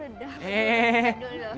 gue dulu dong